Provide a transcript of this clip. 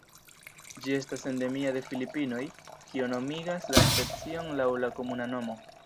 Ĝi estas endemia de Filipinoj, kio nomigas la specion laŭ la komuna nomo.